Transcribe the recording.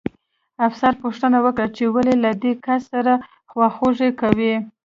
افسر پوښتنه وکړه چې ولې له دې کس سره خواخوږي کوئ